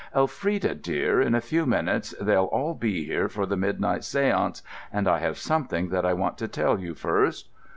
"Elfrida, dear, in a few minutes they'll all be here for the midnight séance; and I have something that I want to tell you first."